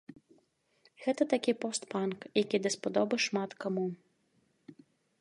Гэта такі пост-панк, які даспадобы шмат каму.